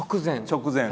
直前。